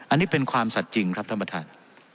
อันนี้เป็นความสัดจริงครับท่านประธาน